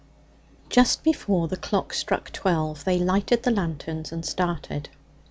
Just before the clock struck twelve they lighted the lanterns and started.